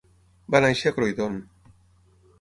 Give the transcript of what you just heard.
Va néixer a Croydon.